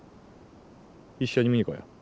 一緒に見に来よう。